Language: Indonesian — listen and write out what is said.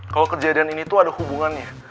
kalau kejadian ini tuh ada hubungannya